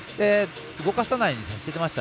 動かさないようにさせていました。